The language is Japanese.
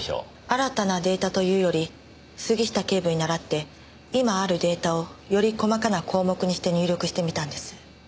新たなデータというより杉下警部に倣って今あるデータをより細かな項目にして入力してみたんです。